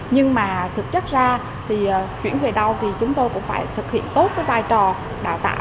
nhưng mà thực chất ra thì chuyển về đâu thì chúng tôi cũng phải thực hiện tốt cái vai trò đào tạo